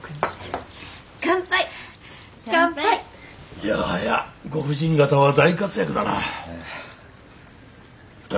いやはやご婦人方は大活躍だな。